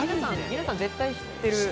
皆さん絶対知ってる。